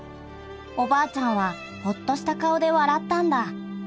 おばあちゃんはほっとしたかおでわらったんだ」。